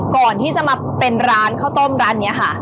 ก่อนที่จะมาเป็นร้านข้าวต้มร้านนี้ค่ะ